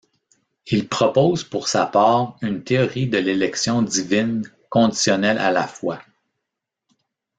Il propose pour sa part une théorie de l'élection divine conditionnelle à la foi.